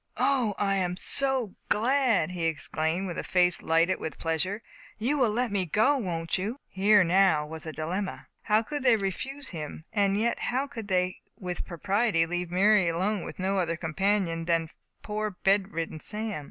"O, I am so glad!" he exclaimed, with a face lighted with pleasure; "you will let me go, won't you?" Here now was a dilemma. How could they refuse him? and yet how could they with propriety leave Mary with no other companion than poor bed ridden Sam?